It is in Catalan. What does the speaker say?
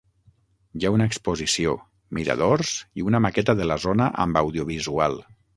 Hi ha una exposició, miradors i una maqueta de la zona amb audiovisual.